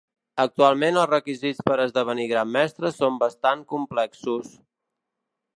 Actualment els requisits per esdevenir Gran Mestre són bastant complexos.